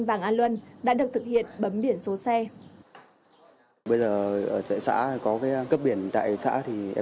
và nhanh thủ tục nhanh chóng gọn nhẹ